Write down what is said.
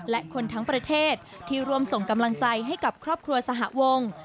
และคนทั้งประเทศที่ร่วมส่งกำลังใจให้กับครอบครัวสหวง